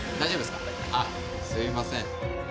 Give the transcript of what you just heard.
あっすいません。